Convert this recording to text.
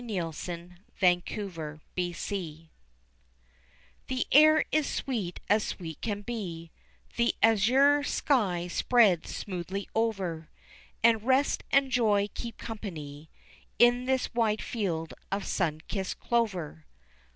In the Clover Field The air is sweet as sweet can be, The azure sky spreads smoothly over, And rest and joy keep company, In this wide field of sun kissed clover.